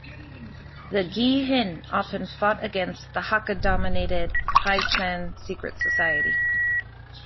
The Ghee Hin often fought against the Hakka-dominated Hai San secret society.